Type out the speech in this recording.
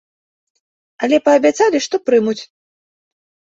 Але паабяцалі, што прымуць.